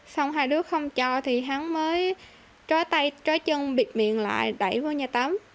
xong hai đứa không cho thì hắn mới trói tay trói chân bịt miệng lại đẩy vào nhà tắm